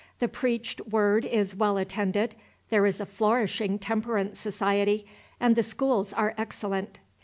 The preached word is well attended, there is a flourishing temperance society, and the schools are excellent.